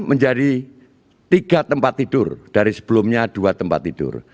menjadi tiga tempat tidur dari sebelumnya dua tempat tidur